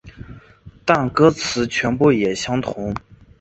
但歌词全部也相同。